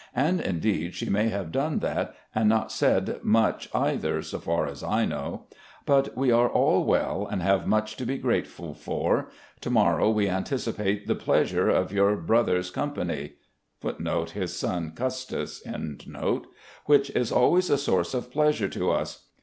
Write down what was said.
And indeed she may have done that and not said much either, so far as I know. But we are all well and have much to be grateful for. To morrow we anticipate the pleasure of your brother's f company, which is always a source of pleasure to us.